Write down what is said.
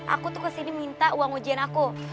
aku tuh kesini minta uang ujian aku